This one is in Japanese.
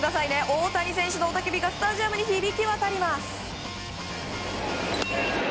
大谷選手の雄たけびがスタジアムに響き渡ります。